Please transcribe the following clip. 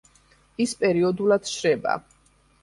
ის პერიოდულად შრება.